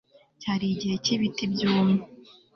Cyari igihe cyibiti byumye